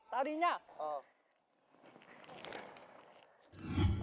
tao đi nhá